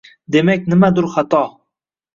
demak nimadur xato.